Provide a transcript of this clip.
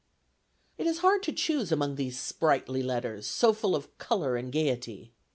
It is hard to choose among these sprightly letters, so full of color and gayety.